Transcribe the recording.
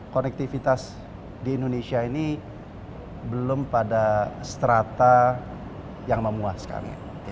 konektivitas di indonesia ini belum pada strata yang memuaskan